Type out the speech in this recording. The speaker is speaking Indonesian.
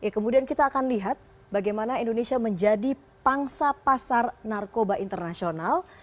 kemudian kita akan lihat bagaimana indonesia menjadi pangsa pasar narkoba internasional